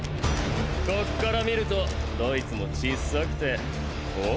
こっから見るとどいつもちっさくてお！？